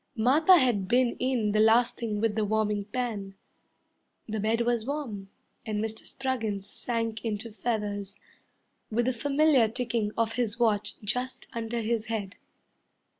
Martha had been in the last thing with the warming pan; The bed was warm, And Mr. Spruggins sank into feathers, With the familiar ticking of his watch just under his head.